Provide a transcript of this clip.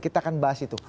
kita akan bahas itu